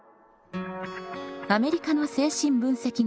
アメリカの精神分析学者